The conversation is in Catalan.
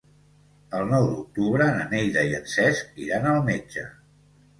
El nou d'octubre na Neida i en Cesc iran al metge.